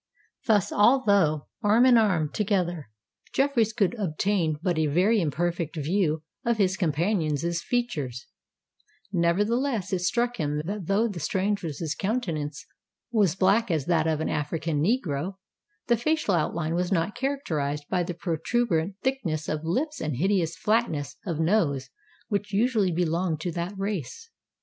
Thus, although arm in arm together, Jeffreys could obtain but a very imperfect view of his companion's features: nevertheless, it struck him that though the stranger's countenance was black as that of an African negro, the facial outline was not characterised by the protuberant thickness of lips and hideous flatness of nose which usually belong to that race.